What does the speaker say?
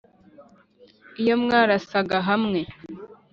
iyo mwarasaga hamwe ?